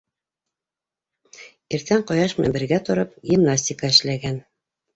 Иртән ҡояш менән бергә тороп, гимнастика эшләгән.